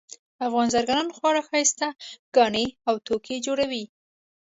افغان زرګران خورا ښایسته ګاڼه او توکي جوړوي